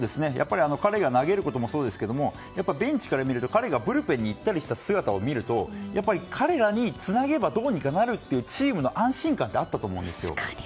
彼が投げることもそうですがベンチから見ると彼がブルペンに行ったりした姿を見ると彼らにつなげばどうにかなるというチームの安心感があったと思うんですよ。